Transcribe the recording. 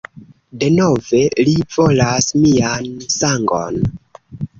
Denove, li volas mian sangon!